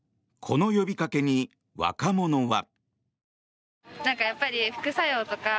この呼びかけに若者は。